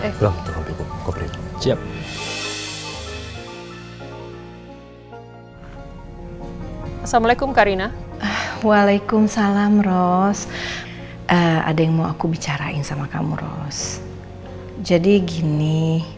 assalamualaikum karina waalaikumsalam rose ada yang mau aku bicarain sama kamu rose jadi gini